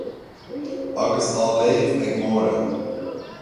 Agus á léamh ag Máire.